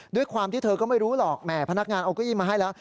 ด้วยความที่เธอก็ไม่รู้หรอกแหมพนักงานเอาเก้าอี้มาให้แล้ว